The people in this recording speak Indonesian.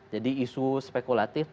jadi isu spekulatif